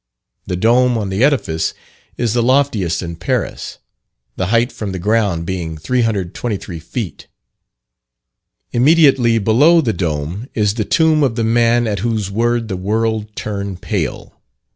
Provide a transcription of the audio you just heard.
The dome on the edifice is the loftiest in Paris the height from the ground being 323 feet. Immediately below the dome is the tomb of the man at whose word the world turned pale.